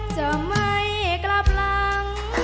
จะไม่กลับหลัง